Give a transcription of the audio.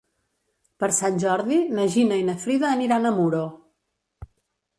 Per Sant Jordi na Gina i na Frida aniran a Muro.